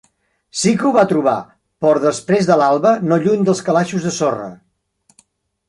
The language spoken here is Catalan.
Sí que ho va trobar, por després de l'alba, no lluny dels calaixos de sorra.